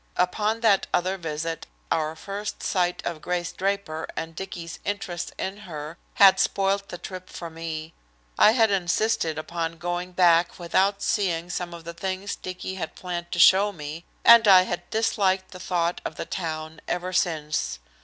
Upon that other visit our first sight of Grace Draper and Dicky's interest in her had spoiled the trip for me. I had insisted upon going back without seeing some of the things Dicky had planned to show me, and I had disliked the thought of the town ever since.